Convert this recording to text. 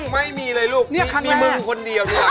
ไม่มีเลยลูกมีมึงคนเดียวเนี่ยครับนี่ครั้งแรก